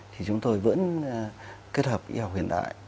thì chúng tôi vẫn kết hợp y học hiện đại